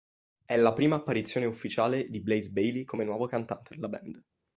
È la prima apparizione ufficiale di Blaze Bayley come nuovo cantante della band.